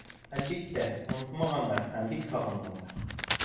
Әлбиттә, онотмағандар һәм бик һағынғандар.